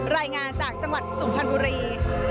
รายงานจากจังหวัดสุพรรณบุรี